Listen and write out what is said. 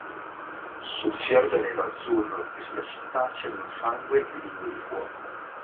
Sul fiordo nero-azzurro e sulla città c'erano sangue e lingue di fuoco.